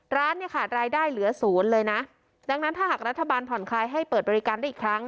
ร้านเนี่ยขาดรายได้เหลือศูนย์เลยนะดังนั้นถ้าหากรัฐบาลผ่อนคลายให้เปิดบริการได้อีกครั้ง